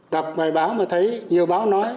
đọc bài báo mà thấy nhiều báo nói